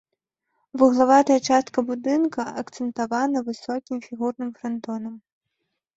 Вуглавая частка будынка акцэнтавана высокім фігурным франтонам.